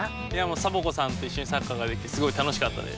サボ子さんといっしょにサッカーができてすごいたのしかったです。